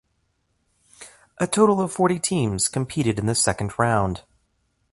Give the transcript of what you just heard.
A total of forty teams competed in the second round.